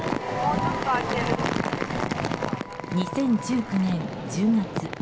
２０１９年１０月。